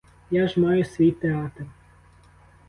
Я ж маю свій театр.